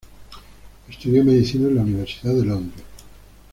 Estudió medicina en la Universidad de Londres.